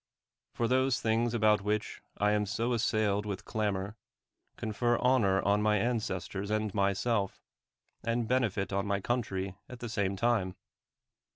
For those things about which I am so assailed with clamor, con fer honor on my ancestors and myself, and bene fit on my country at the same time.